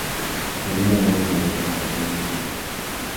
Tenía un hermano mayor llamado Dennis Junior.